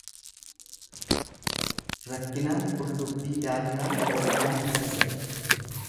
Rakkinaan qullubbii daaknaan ollaan misa se'a.